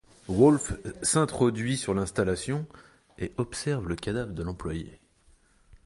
Wolf s'introduit sur l'installation et observe le cadavre de l'employé.